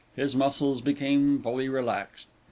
His muscles became fully relaxed.